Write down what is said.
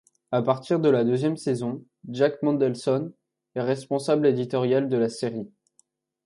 À partir de la deuxième saison Jack Mendelsohn est responsable éditorial de la série.